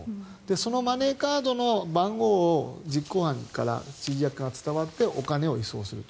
そのマネーカードの番号を実行犯から指示役に伝わってお金を輸送すると。